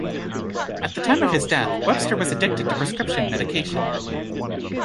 At the time of his death, Webster was addicted to prescription medication.